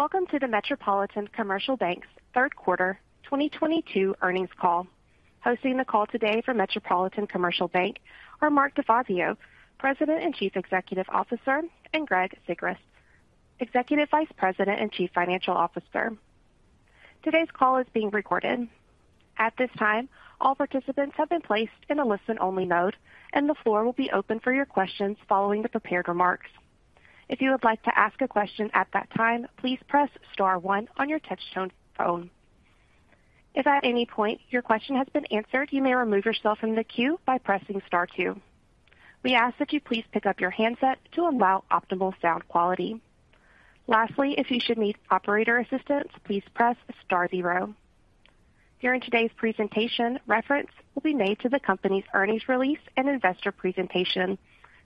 Welcome to the Metropolitan Commercial Bank's third quarter 2022 earnings call. Hosting the call today for Metropolitan Commercial Bank are Mark DeFazio, President and Chief Executive Officer, and Greg Sigrist, Executive Vice President and Chief Financial Officer. Today's call is being recorded. At this time, all participants have been placed in a listen-only mode, and the floor will be open for your questions following the prepared remarks. If you would like to ask a question at that time, please press star one on your touch-tone phone. If at any point your question has been answered, you may remove yourself from the queue by pressing star two. We ask that you please pick up your handset to allow optimal sound quality. Lastly, if you should need operator assistance, please press star zero. During today's presentation, reference will be made to the company's earnings release and investor presentation,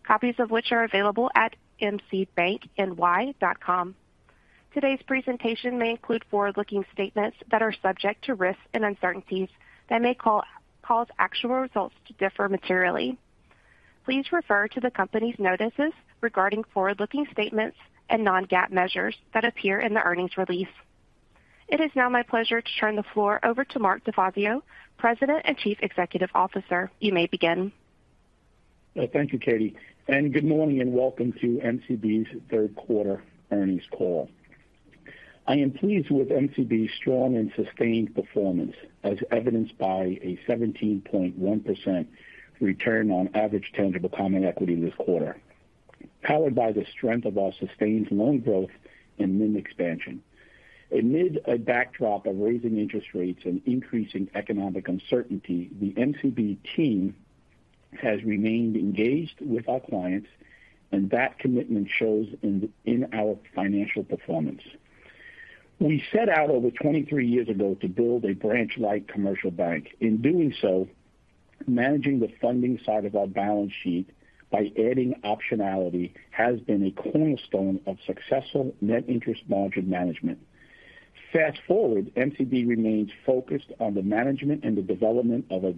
copies of which are available at mcbankny.com. Today's presentation may include forward-looking statements that are subject to risks and uncertainties that may cause actual results to differ materially. Please refer to the company's notices regarding forward-looking statements and non-GAAP measures that appear in the earnings release. It is now my pleasure to turn the floor over to Mark DeFazio, President and Chief Executive Officer. You may begin. Thank you, Katie, and good morning and welcome to MCB's third quarter earnings call. I am pleased with MCB's strong and sustained performance, as evidenced by a 17.1% return on average tangible common equity this quarter, powered by the strength of our sustained loan growth and NIM expansion. Amid a backdrop of raising interest rates and increasing economic uncertainty, the MCB team has remained engaged with our clients, and that commitment shows in our financial performance. We set out over 23 years ago to build a branch-like commercial bank. In doing so, managing the funding side of our balance sheet by adding optionality has been a cornerstone of successful net interest margin management. Fast-forward, MCB remains focused on the management and the development of a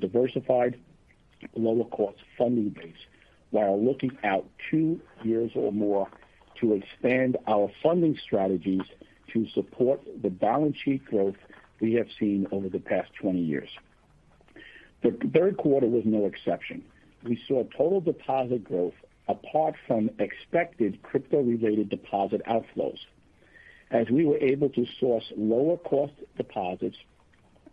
diversified lower cost funding base while looking out two years or more to expand our funding strategies to support the balance sheet growth we have seen over the past 20 years. The third quarter was no exception. We saw total deposit growth apart from expected crypto-related deposit outflows, as we were able to source lower cost deposits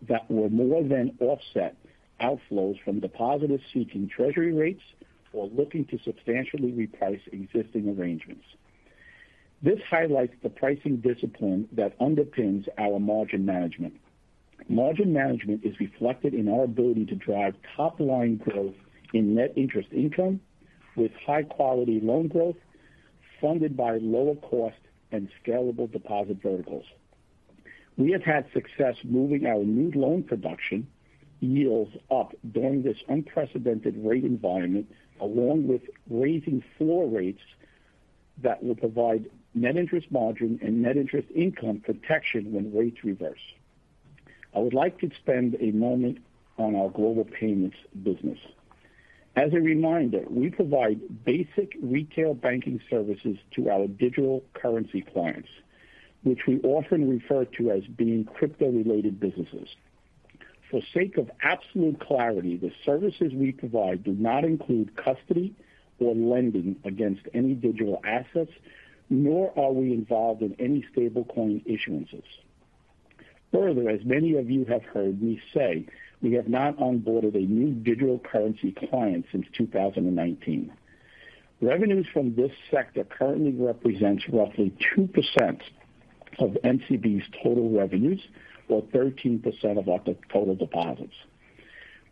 that will more than offset outflows from depositors seeking Treasury rates or looking to substantially reprice existing arrangements. This highlights the pricing discipline that underpins our margin management. Margin management is reflected in our ability to drive top-line growth in net interest income with high-quality loan growth funded by lower cost and scalable deposit verticals. We have had success moving our new loan production yields up during this unprecedented rate environment, along with raising floor rates that will provide net interest margin and net interest income protection when rates reverse. I would like to spend a moment on our global payments business. As a reminder, we provide basic retail banking services to our digital currency clients, which we often refer to as being crypto-related businesses. For the sake of absolute clarity, the services we provide do not include custody or lending against any digital assets, nor are we involved in any stablecoin issuances. Further, as many of you have heard me say, we have not onboarded a new digital currency client since 2019. Revenues from this sector currently represents roughly 2% of MCB's total revenues or 13% of our total deposits.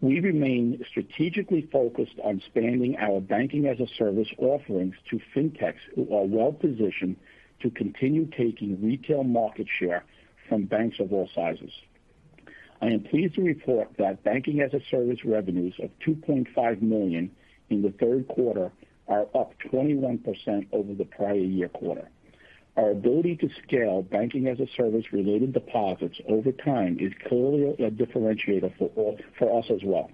We remain strategically focused on expanding our banking-as-a-service offerings to fintechs who are well positioned to continue taking retail market share from banks of all sizes. I am pleased to report that banking-as-a-service revenues of $2.5 million in the third quarter are up 21% over the prior year quarter. Our ability to scale banking-as-a-service related deposits over time is clearly a differentiator for us as well.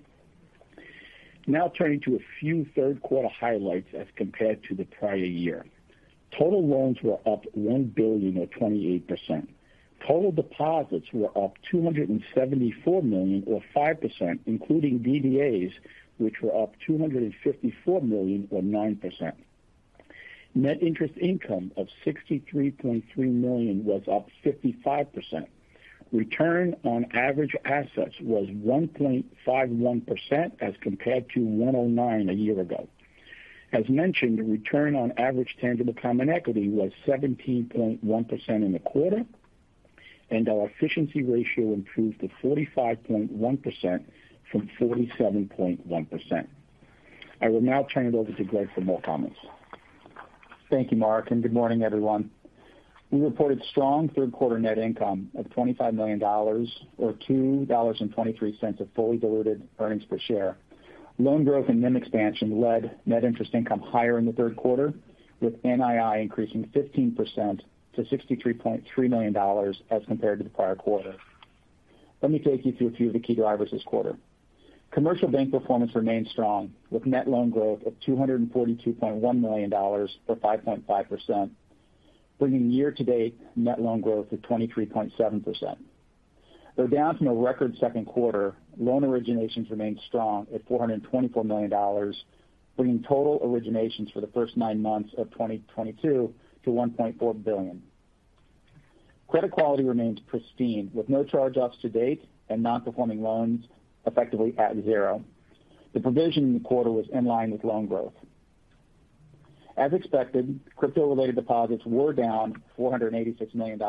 Now turning to a few third quarter highlights as compared to the prior year. Total loans were up $1 billion or 28%. Total deposits were up $274 million or 5%, including DDAs, which were up $254 million or 9%. Net interest income of $63.3 million was up 55%. Return on average assets was 1.51% as compared to 1.09% a year ago. As mentioned, the return on average tangible common equity was 17.1% in the quarter, and our efficiency ratio improved to 45.1% from 47.1%. I will now turn it over to Greg for more comments. Thank you, Mark, and good morning, everyone. We reported strong third quarter net income of $25 million or $2.23 of fully diluted earnings per share. Loan growth and NIM expansion led net interest income higher in the third quarter, with NII increasing 15% to $63.3 million as compared to the prior quarter. Let me take you through a few of the key drivers this quarter. Commercial bank performance remained strong, with net loan growth of $242.1 million or 5.5%, bringing year-to-date net loan growth to 23.7%. Though down from a record second quarter, loan originations remained strong at $424 million, bringing total originations for the first nine months of 2022 to $1.4 billion. Credit quality remains pristine, with no charge-offs to date and non-performing loans effectively at zero. The provision in the quarter was in line with loan growth. As expected, crypto-related deposits were down $486 million,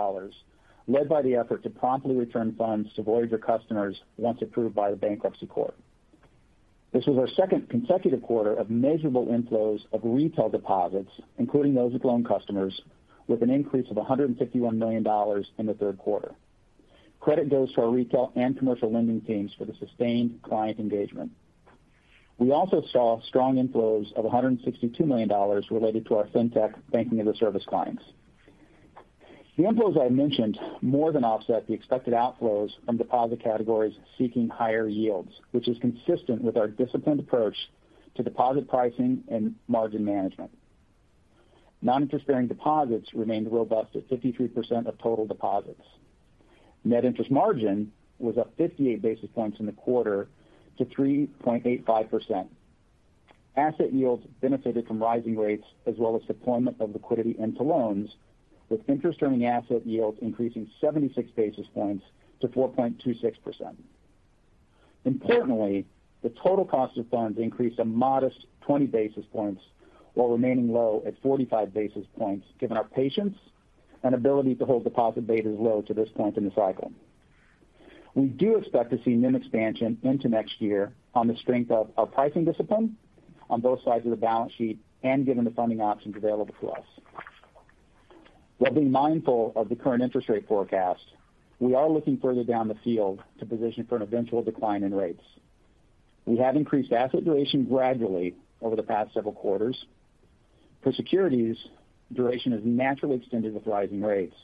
led by the effort to promptly return funds to Voyager customers once approved by the bankruptcy court. This was our second consecutive quarter of measurable inflows of retail deposits, including those of loan customers, with an increase of $151 million in the third quarter. Credit goes to our retail and commercial lending teams for the sustained client engagement. We also saw strong inflows of $162 million related to our Fintech Banking-as-a-Service clients. The inflows I mentioned more than offset the expected outflows from deposit categories seeking higher yields, which is consistent with our disciplined approach to deposit pricing and margin management. Non-interest-bearing deposits remained robust at 53% of total deposits. Net interest margin was up 58 basis points in the quarter to 3.85%. Asset yields benefited from rising rates as well as deployment of liquidity into loans, with interest-earning asset yields increasing 76 basis points to 4.26%. Importantly, the total cost of funds increased a modest 20 basis points while remaining low at 45 basis points, given our patience and ability to hold deposit betas low to this point in the cycle. We do expect to see NIM expansion into next year on the strength of our pricing discipline on both sides of the balance sheet and given the funding options available to us. While being mindful of the current interest rate forecast, we are looking further down the field to position for an eventual decline in rates. We have increased asset duration gradually over the past several quarters. For securities, duration is naturally extended with rising rates.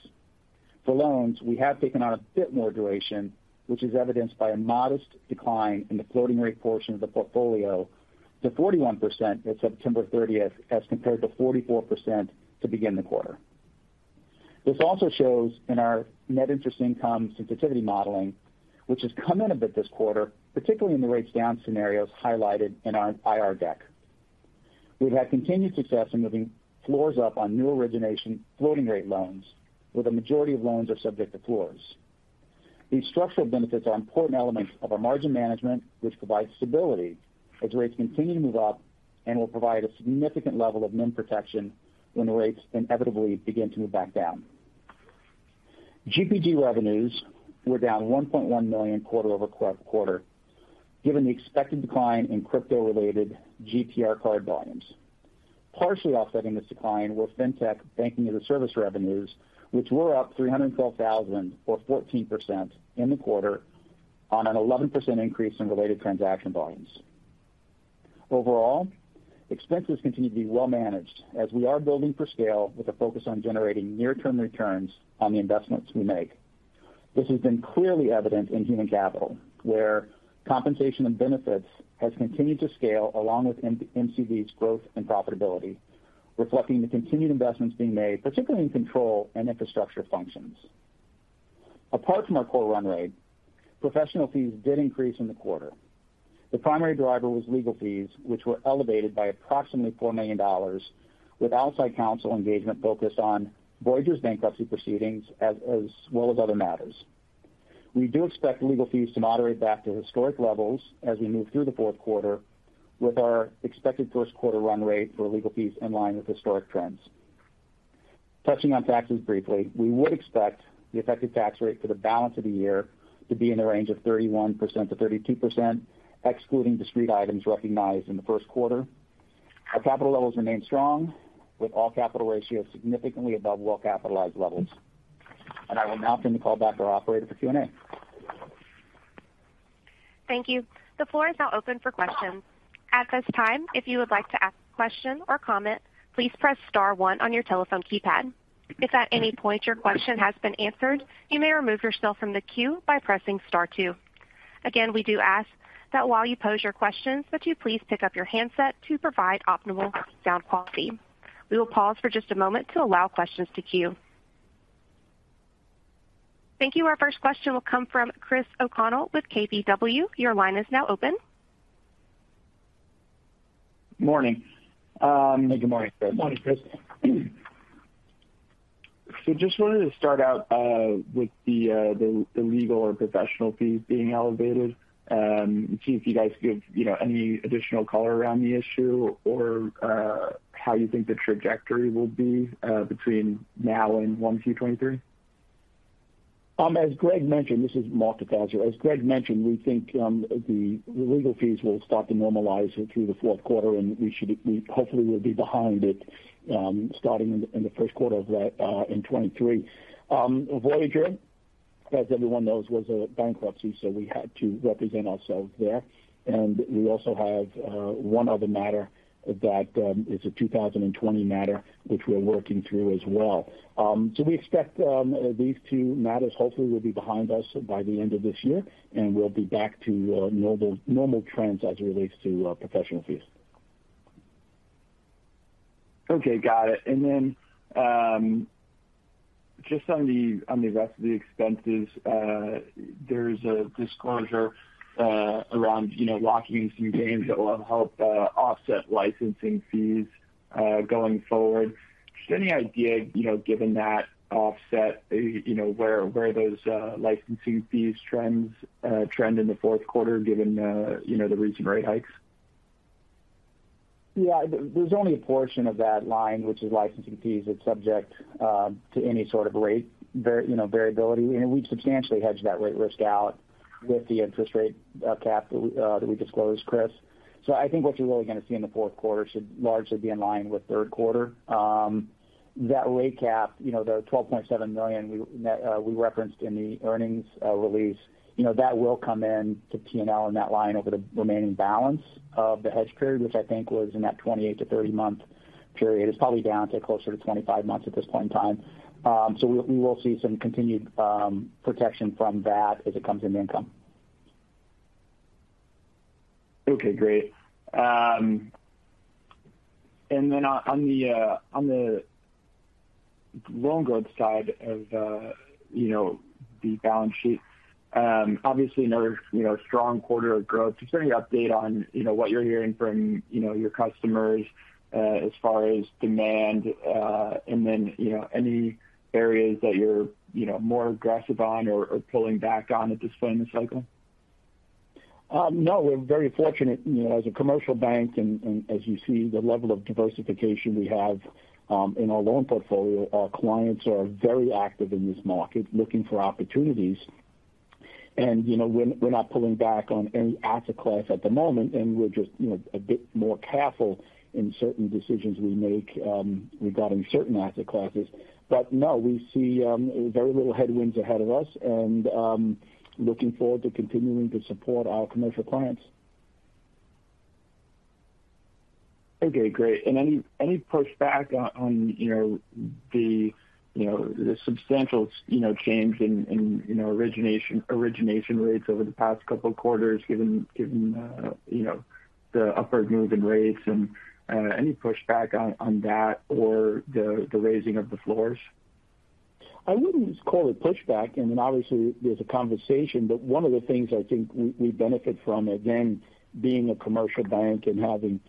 For loans, we have taken on a bit more duration, which is evidenced by a modest decline in the floating rate portion of the portfolio to 41% at September 30 as compared to 44% to begin the quarter. This also shows in our net interest income sensitivity modeling, which has come in a bit this quarter, particularly in the rates down scenarios highlighted in our IR deck. We've had continued success in moving floors up on new origination floating rate loans, where the majority of loans are subject to floors. These structural benefits are important elements of our margin management, which provides stability as rates continue to move up and will provide a significant level of NIM protection when the rates inevitably begin to move back down. GPG revenues were down $1.1 million quarter-over-quarter, given the expected decline in crypto-related GPR card volumes. Partially offsetting this decline were Fintech Banking-as-a-Service revenues, which were up $312,000 or 14% in the quarter on an 11% increase in related transaction volumes. Overall, expenses continue to be well managed as we are building for scale with a focus on generating near-term returns on the investments we make. This has been clearly evident in human capital, where compensation and benefits has continued to scale along with MCB's growth and profitability, reflecting the continued investments being made, particularly in control and infrastructure functions. Apart from our core run rate, professional fees did increase in the quarter. The primary driver was legal fees, which were elevated by approximately $4 million, with outside counsel engagement focused on Voyager's bankruptcy proceedings as well as other matters. We do expect legal fees to moderate back to historic levels as we move through the fourth quarter, with our expected first quarter run rate for legal fees in line with historic trends. Touching on taxes briefly, we would expect the effective tax rate for the balance of the year to be in the range of 31%-32%, excluding discrete items recognized in the first quarter. Our capital levels remain strong, with all capital ratios significantly above well-capitalized levels. I will now turn the call back to our operator for Q&A. Thank you. The floor is now open for questions. At this time, if you would like to ask a question or comment, please press star one on your telephone keypad. If at any point your question has been answered, you may remove yourself from the queue by pressing star two. Again, we do ask that while you pose your questions that you please pick up your handset to provide optimal sound quality. We will pause for just a moment to allow questions to queue. Thank you. Our first question will come from Christopher O'Connell with KBW. Your line is now open. Morning. Good morning, Chris. Morning, Chris Just wanted to start out with the legal or professional fees being elevated and see if you guys give, you know, any additional color around the issue or how you think the trajectory will be between now and 1 to 2023. As Greg mentioned, this is Mark DeFazio. As Greg mentioned, we think the legal fees will start to normalize through the fourth quarter, and we hopefully will be behind it, starting in the first quarter of 2023. Voyager, as everyone knows, was a bankruptcy, so we had to represent ourselves there. We also have one other matter that is a 2020 matter which we're working through as well. We expect these two matters hopefully will be behind us by the end of this year, and we'll be back to normal trends as it relates to professional fees. Okay, got it. Just on the rest of the expenses, there is a disclosure around, you know, locking in some gains that will help offset licensing fees going forward. Just any idea, you know, given that offset, you know, where those licensing fees trend in the fourth quarter given, you know, the recent rate hikes? Yeah. There's only a portion of that line which is licensing fees that's subject to any sort of rate variability. We substantially hedge that rate risk out with the interest rate cap that we disclosed, Chris. I think what you're really going to see in the fourth quarter should largely be in line with third quarter. That rate cap, the $12.7 million we referenced in the earnings release. That will come in to P&L in that line over the remaining balance of the hedge period, which I think was in that 28-30-month period. It's probably down to closer to 25 months at this point in time. We will see some continued protection from that as it comes into income. Okay, great. On the loan growth side of you know, the balance sheet, obviously another you know, strong quarter of growth. Just any update on you know, what you're hearing from you know, your customers as far as demand, and then you know, any areas that you're you know, more aggressive on or pulling back on at this point in the cycle? No, we're very fortunate, you know, as a commercial bank and as you see the level of diversification we have in our loan portfolio. Our clients are very active in this market looking for opportunities. You know, we're not pulling back on any asset class at the moment, and we're just, you know, a bit more careful in certain decisions we make regarding certain asset classes. No, we see very little headwinds ahead of us and looking forward to continuing to support our commercial clients. Okay, great. Any pushback on, you know, the substantial, you know, change in, you know, origination rates over the past couple of quarters given, you know, the upward move in rates and any pushback on that or the raising of the floors? I wouldn't call it pushback. I mean, obviously there's a conversation, but one of the things I think we benefit from, again, being a commercial bank and having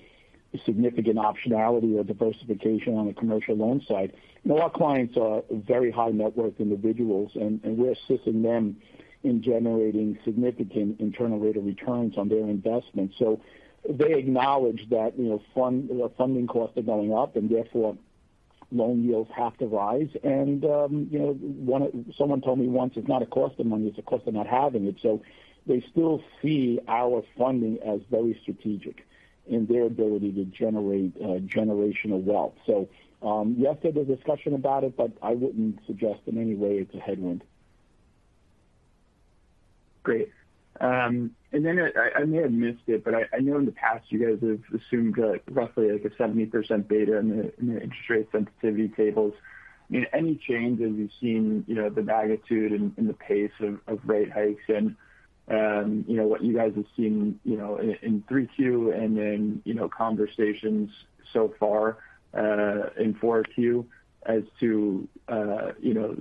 significant optionality or diversification on the commercial loan side. You know, our clients are very high net worth individuals and we're assisting them in generating significant internal rate of returns on their investments. They acknowledge that, you know, funding costs are going up and therefore loan yields have to rise. You know, someone told me once it's not a cost of money, it's a cost of not having it. They still see our funding as very strategic in their ability to generate generational wealth. Yes, there's a discussion about it, but I wouldn't suggest in any way it's a headwind. Great. I may have missed it, but I know in the past you guys have assumed like roughly like a 70% beta in the interest rate sensitivity tables. I mean, any changes you've seen, you know, the magnitude and the pace of rate hikes and, you know, what you guys have seen, you know, in 3Q and then, you know, conversations so far in 4Q as to, you know,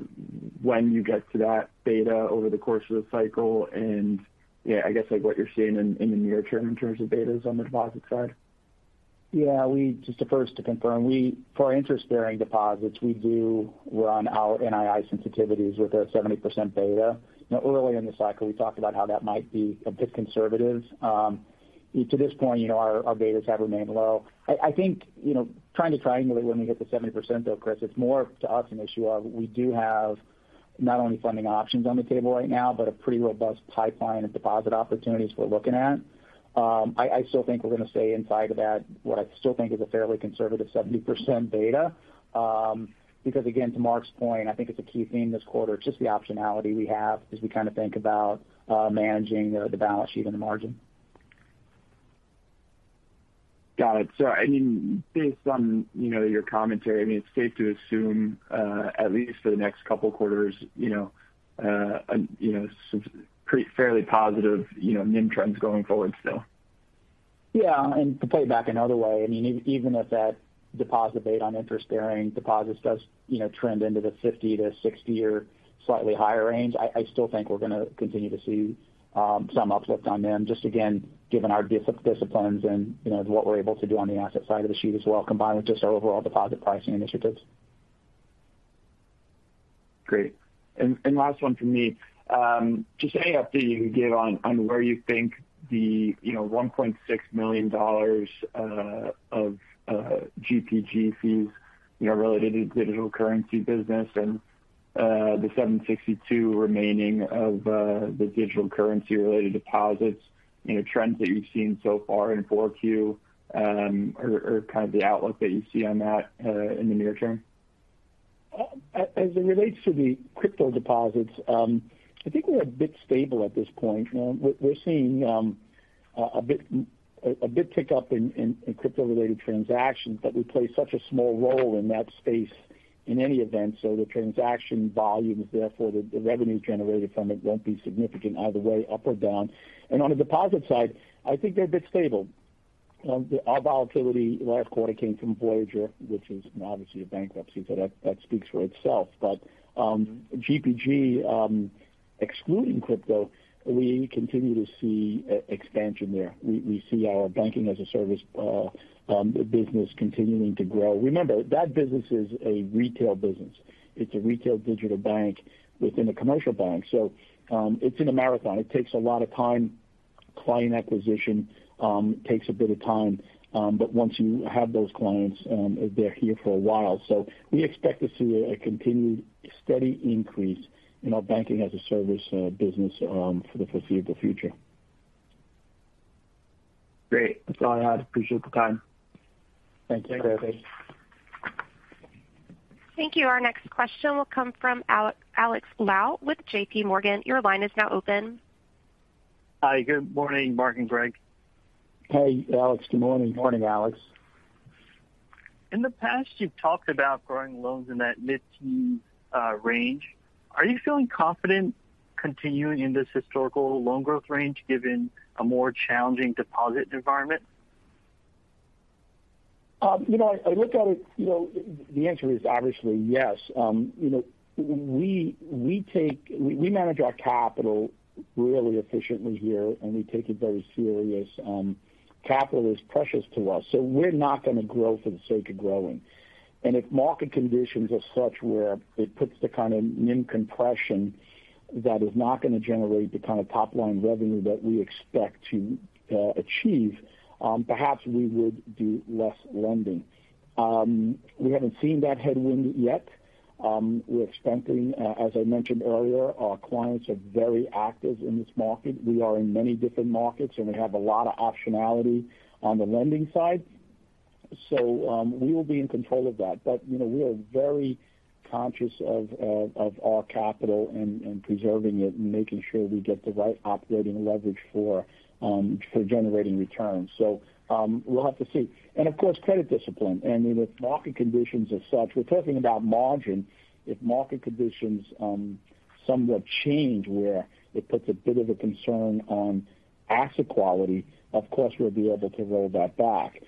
when you get to that beta over the course of the cycle. Yeah, I guess like what you're seeing in the near term in terms of betas on the deposit side. Yeah. For our interest-bearing deposits, we do run our NII sensitivities with a 70% beta. Now, earlier in the cycle, we talked about how that might be a bit conservative. To this point, you know, our betas have remained low. I think, you know, trying to triangulate when we hit the 70% though, Chris, it's more of an issue to us that we do have not only funding options on the table right now, but a pretty robust pipeline of deposit opportunities we're looking at. I still think we're going to stay inside of that, what I still think is a fairly conservative 70% beta. Because again, to Mark's point, I think it's a key theme this quarter, just the optionality we have as we kind of think about managing the balance sheet and the margin. Got it. I mean, based on, you know, your commentary, I mean, it's safe to assume, at least for the next couple quarters, you know, some fairly positive, you know, NIM trends going forward still. Yeah. To play it back another way, I mean, even if that deposit rate on interest-bearing deposits does, you know, trend into the 50%-60% or slightly higher range, I still think we're going to continue to see some uplift on them just again, given our disciplines and, you know, what we're able to do on the asset side of the sheet as well, combined with just our overall deposit pricing initiatives. Great. Last one from me. Just any update you can give on where you think the, you know, $1.6 million of GPG fees, you know, related to digital currency business and the $762 remaining of the digital currency-related deposits, you know, trends that you've seen so far in 4Q or kind of the outlook that you see on that in the near term? As it relates to the crypto deposits, I think we're a bit stable at this point. We're seeing a bit tick up in crypto-related transactions, but we play such a small role in that space. In any event, the transaction volumes, therefore the revenue generated from it won't be significant either way, up or down. On the deposit side, I think they're a bit stable. Our volatility last quarter came from Voyager, which is now obviously a bankruptcy, so that speaks for itself. GPG, excluding crypto, we continue to see expansion there. We see our Banking-as-a-Service business continuing to grow. Remember, that business is a retail business. It's a retail digital bank within a commercial bank. It's in a marathon. It takes a lot of time. Client acquisition takes a bit of time, but once you have those clients, they're here for a while. We expect to see a continued steady increase in our Banking-as-a-Service business for the foreseeable future. Great. That's all I had. Appreciate the time. Thanks. Okay, bye. Thank you. Our next question will come from Alex Lau with JPMorgan. Your line is now open. Hi, good morning, Mark and Greg. Hey, Alex. Good morning. Morning, Alex. In the past, you've talked about growing loans in that mid-teen range. Are you feeling confident continuing in this historical loan growth range, given a more challenging deposit environment? You know, I look at it, you know, the answer is obviously yes. You know, we manage our capital really efficiently here, and we take it very serious. Capital is precious to us, so we're not gonna grow for the sake of growing. If market conditions are such where it puts the kind of NIM compression that is not gonna generate the kind of top line revenue that we expect to achieve, perhaps we would do less lending. We haven't seen that headwind yet. We're expecting, as I mentioned earlier, our clients are very active in this market. We are in many different markets, and we have a lot of optionality on the lending side. We will be in control of that. You know, we are very conscious of our capital and preserving it and making sure we get the right operating leverage for generating returns. We'll have to see. Of course, credit discipline. With market conditions as such, we're talking about margin. If market conditions somewhat change where it puts a bit of a concern on asset quality, of course we'll be able to roll that back.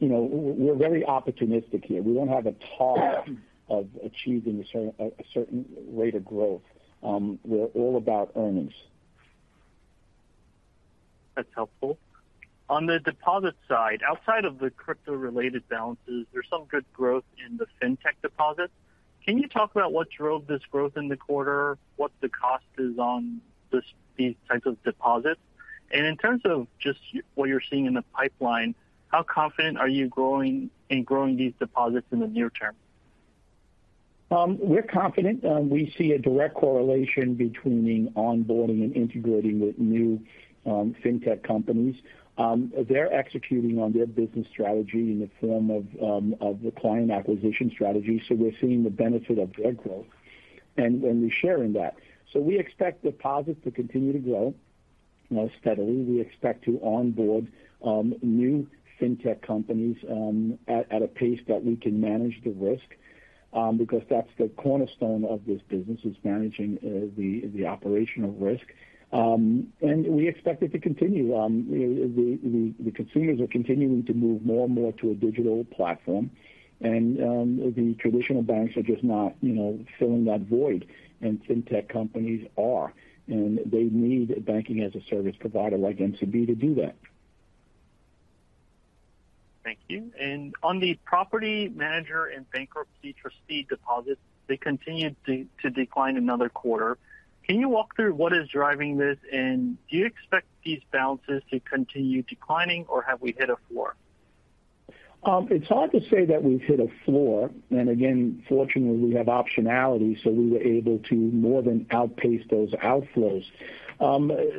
You know, we're very opportunistic here. We don't have a target of achieving a certain rate of growth. We're all about earnings. That's helpful. On the deposit side, outside of the crypto-related balances, there's some good growth in the fintech deposits. Can you talk about what drove this growth in the quarter? What the cost is on these types of deposits? And in terms of just what you're seeing in the pipeline, how confident are you growing in growing these deposits in the near term? We're confident. We see a direct correlation between onboarding and integrating with new fintech companies. They're executing on their business strategy in the form of the client acquisition strategy, so we're seeing the benefit of their growth, and we share in that. We expect deposits to continue to grow, you know, steadily. We expect to onboard new fintech companies at a pace that we can manage the risk, because that's the cornerstone of this business, is managing the operational risk. We expect it to continue. The consumers are continuing to move more and more to a digital platform. The traditional banks are just not, you know, filling that void. Fintech companies are. They need a banking-as-a-service provider like MCB to do that. Thank you. On the property manager and bankruptcy trustee deposits, they continued to decline another quarter. Can you walk through what is driving this? Do you expect these balances to continue declining, or have we hit a floor? It's hard to say that we've hit a floor. Again, fortunately, we have optionality, so we were able to more than outpace those outflows.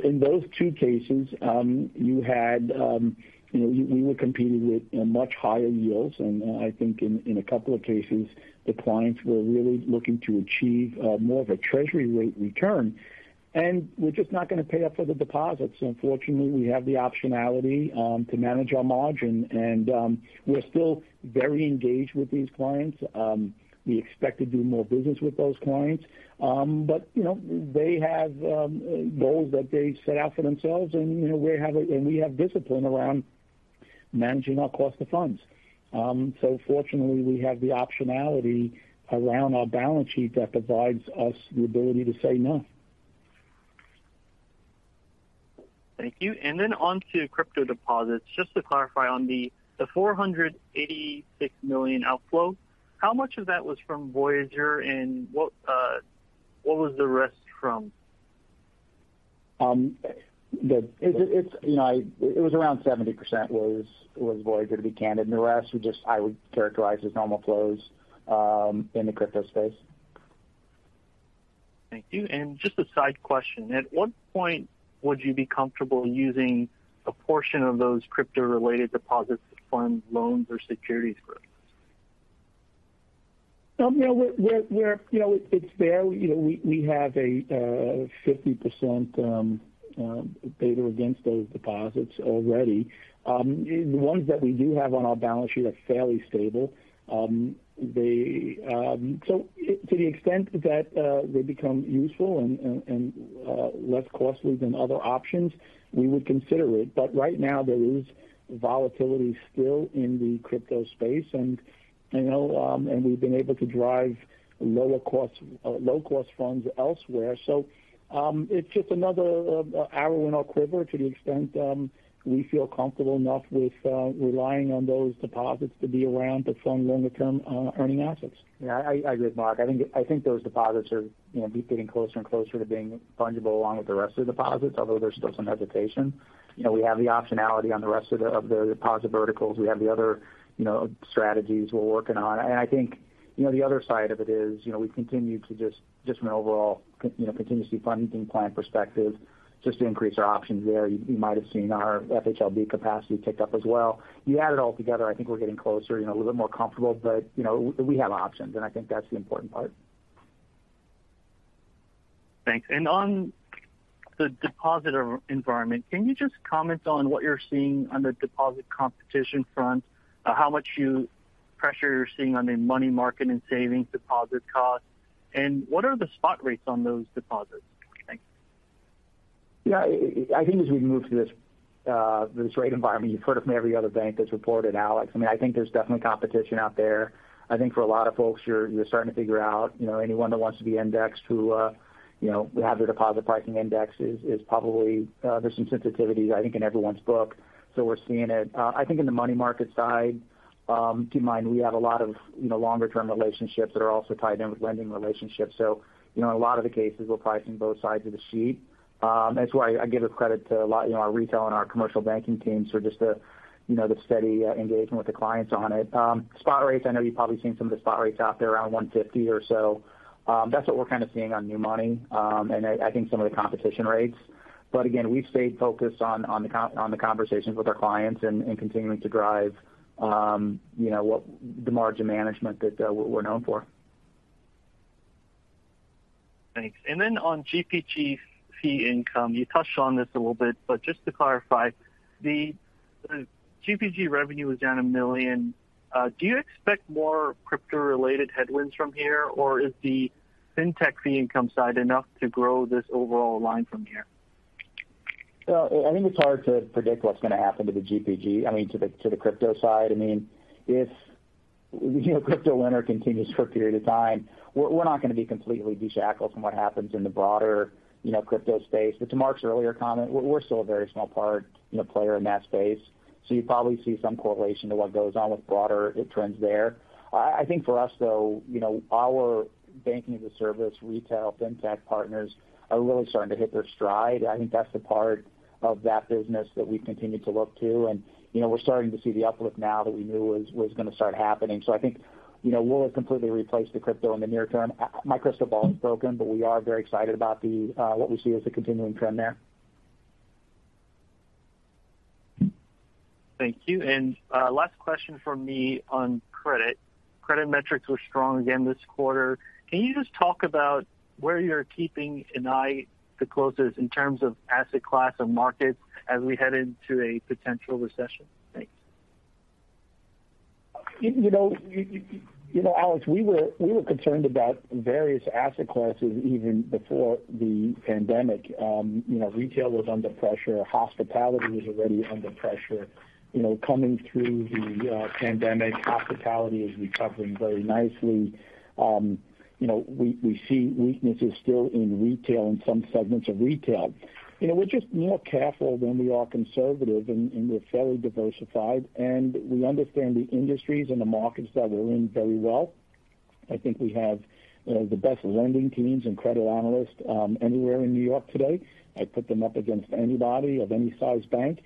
In those two cases, you know, you were competing with, you know, much higher yields. I think in a couple of cases, the clients were really looking to achieve more of a treasury rate return. We're just not gonna pay it for the deposits. Fortunately, we have the optionality to manage our margin. We're still very engaged with these clients. We expect to do more business with those clients. You know, they have goals that they set out for themselves and, you know, we have discipline around managing our cost of funds. Fortunately we have the optionality around our balance sheet that provides us the ability to say no. Thank you. On to crypto deposits. Just to clarify on the $486 million outflow, how much of that was from Voyager, and what was the rest from? It's, you know, it was around 70% Voyager, to be candid. The rest was just, I would characterize as normal flows in the crypto space. Thank you. Just a side question: At what point would you be comfortable using a portion of those crypto-related deposits to fund loans or securities growth? No, we're. You know, it's there. You know, we have a 50% beta against those deposits already. The ones that we do have on our balance sheet are fairly stable. To the extent that they become useful and less costly than other options, we would consider it. But right now there is volatility still in the crypto space and, you know, and we've been able to drive lower cost low cost funds elsewhere. It's just another arrow in our quiver to the extent we feel comfortable enough with relying on those deposits to be around to fund longer term earning assets. Yeah, I agree with Mark. I think those deposits are, you know, getting closer and closer to being fungible along with the rest of the deposits. Although there's still some hesitation. You know, we have the optionality on the rest of the deposit verticals. We have the other, you know, strategies we're working on. I think, you know, the other side of it is, you know, we continue to just from an overall continuously funding plan perspective, just to increase our options there. You might have seen our FHLB capacity ticked up as well. You add it all together, I think we're getting closer, you know, a little bit more comfortable. You know, we have options, and I think that's the important part. Thanks. On the deposit environment, can you just comment on what you're seeing on the deposit competition front? How much pressure you're seeing on the money market and savings deposit costs, and what are the spot rates on those deposits? Thanks. Yeah. I think as we move through this rate environment, you've heard it from every other bank that's reported, Alex. I mean, I think there's definitely competition out there. I think for a lot of folks, you're starting to figure out, you know, anyone that wants to be indexed who, you know, have their deposit pricing indexed is probably, there's some sensitivity, I think, in everyone's book. We're seeing it. I think in the money market side, keep in mind we have a lot of, you know, longer term relationships that are also tied in with lending relationships. You know, in a lot of the cases, we're pricing both sides of the sheet. That's why I give a lot of credit to, you know, our retail and our commercial banking teams for just the, you know, the steady engagement with the clients on it. Spot rates, I know you've probably seen some of the spot rates out there around 1.50% or so. That's what we're kind of seeing on new money and I think some of the competition rates. Again, we've stayed focused on the conversations with our clients and continuing to drive, you know, the margin management that we're known for. Thanks. Then on GPG fee income, you touched on this a little bit, but just to clarify, the GPG revenue was down $1 million. Do you expect more crypto-related headwinds from here, or is the fintech fee income side enough to grow this overall line from here? Well, I think it's hard to predict what's going to happen to the GPG, I mean, to the crypto side. I mean, if you know, crypto winter continues for a period of time, we're not going to be completely shackled from what happens in the broader, you know, crypto space. To Mark's earlier comment, we're still a very small part, you know, player in that space. You probably see some correlation to what goes on with broader trends there. I think for us, though, you know, our banking as a service retail fintech partners are really starting to hit their stride. I think that's the part of that business that we've continued to look to. You know, we're starting to see the uplift now that we knew was going to start happening. I think, you know, we'll have completely replaced the crypto in the near term. My crystal ball is broken, but we are very excited about what we see as a continuing trend there. Thank you. Last question from me on credit. Credit metrics were strong again this quarter. Can you just talk about where you're keeping an eye the closest in terms of asset class and markets as we head into a potential recession? Thanks. You know, Alex, we were concerned about various asset classes even before the pandemic. You know, retail was under pressure. Hospitality was already under pressure. You know, coming through the pandemic, hospitality is recovering very nicely. You know, we see weaknesses still in retail and some segments of retail. You know, we're just more careful than we are conservative, and we're fairly diversified, and we understand the industries and the markets that we're in very well. I think we have the best lending teams and credit analysts anywhere in New York today. I'd put them up against anybody of any size bank.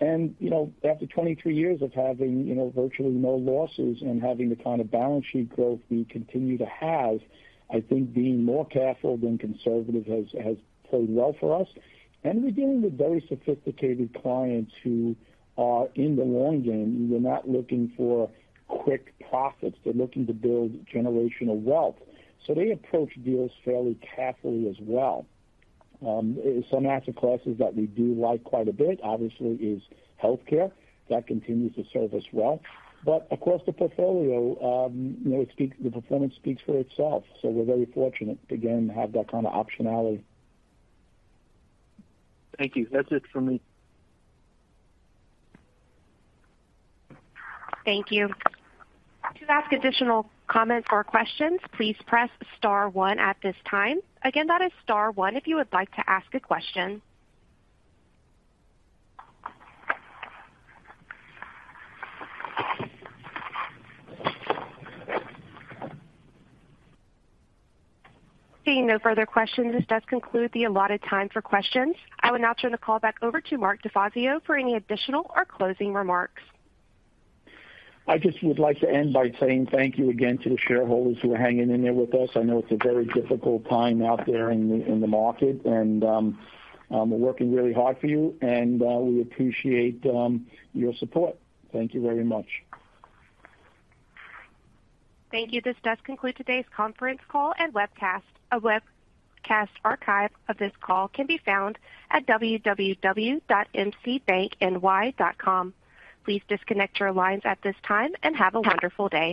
You know, after 23 years of having, you know, virtually no losses and having the kind of balance sheet growth we continue to have, I think being more careful than conservative has played well for us. We're dealing with very sophisticated clients who are in the long game. They're not looking for quick profits. They're looking to build generational wealth. They approach deals fairly carefully as well. Some asset classes that we do like quite a bit obviously is healthcare. That continues to serve us well. Across the portfolio, you know, the performance speaks for itself. We're very fortunate again, to have that kind of optionality. Thank you. That's it for me. Thank you. To ask additional comments or questions, please press star one at this time. Again, that is star one if you would like to ask a question. Seeing no further questions, this does conclude the allotted time for questions. I will now turn the call back over to Mark DeFazio for any additional or closing remarks. I just would like to end by saying thank you again to the shareholders who are hanging in there with us. I know it's a very difficult time out there in the market, and we're working really hard for you and we appreciate your support. Thank you very much. Thank you. This does conclude today's conference call and webcast. A webcast archive of this call can be found at www.mcbankny.com. Please disconnect your lines at this time and have a wonderful day.